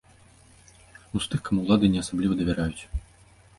Ну, з тых, каму ўлады не асабліва давяраюць.